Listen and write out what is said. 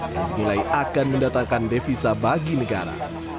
yang dinilai akan mendatangkan devisa bagi negara